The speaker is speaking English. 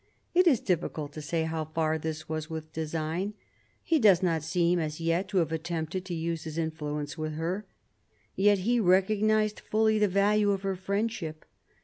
It is difficult to say how far this was with design. He does not seem as yet to have attempted to use his influence with her. Yet he recognised fully the value of her friendship.